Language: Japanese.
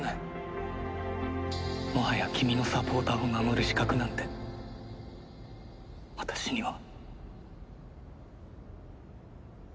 「もはや君のサポーターを名乗る資格なんて私には」